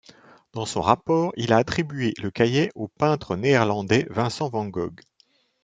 Dans son rapport, il a attribué le cahier au peintre néerlandais Vincent van Gogh.